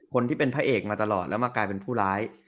คนที่เป็นพระเอกมาตลอดแล้วมากลายเป็นผู้ร้าย